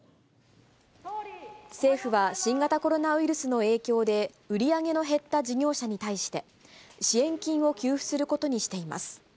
政府は新型コロナウイルスの影響で、売り上げの減った事業者に対して、支援金を給付することにしています。